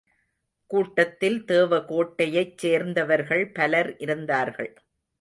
கூட்டத்தில் தேவகோட்டையைச் சேர்ந்தவர்கள் பலர் இருந்தார்கள்.